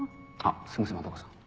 すいませんマドカさん